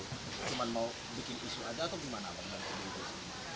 cuma mau bikin isu ada atau gimana